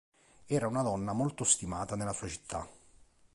Era una donna molto stimata nella sua città.